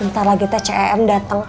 ntar lagi tcm dateng